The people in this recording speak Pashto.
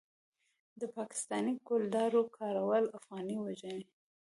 د پاکستانۍ کلدارو کارول افغانۍ وژني.